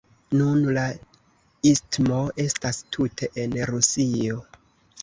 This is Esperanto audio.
Nun la istmo estas tute en Rusio.